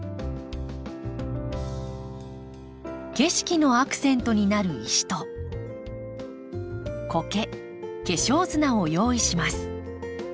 景色のアクセントになる石とコケ化粧砂を用意します。